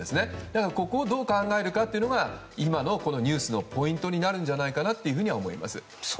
だから、ここをどう考えるかが今のニュースのポイントになるんじゃないかなと思います。